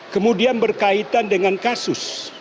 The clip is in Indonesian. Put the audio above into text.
kemudian berkaitan dengan kasus